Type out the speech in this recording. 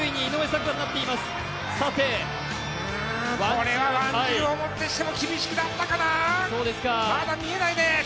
これはワンジルをもってしても厳しくなったかな、まだ見えないね。